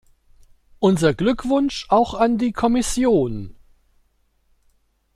Unser Glückwunsch auch an die Kommission.